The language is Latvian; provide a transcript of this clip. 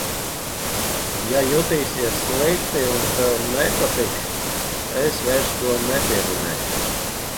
Ja jutīsies slikti un tev nepatiks, es vairs to nepieminēšu.